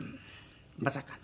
まさかの。